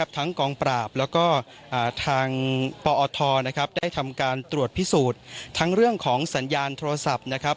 กองปราบแล้วก็ทางปอทได้ทำการตรวจพิสูจน์ทั้งเรื่องของสัญญาณโทรศัพท์นะครับ